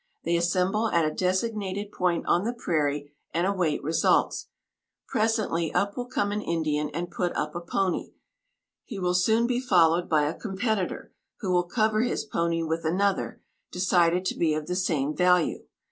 They assemble at a designated point on the prairie, and await results. Presently up will come an Indian, and put up a pony. He will soon be followed by a competitor, who will cover his pony with another, decided to be of the same value.